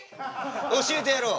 教えてやろう。